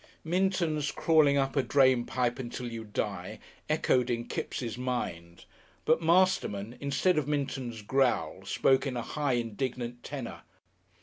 Minton's "crawling up a drain pipe until you die" echoed in Kipps' mind, but Masterman, instead of Minton's growl, spoke in a high, indignant tenor.